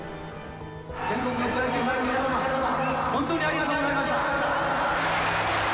全国のプロ野球ファンの皆様、本当にありがとうございました。